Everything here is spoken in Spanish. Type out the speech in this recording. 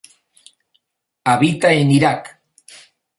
Habita en Irak.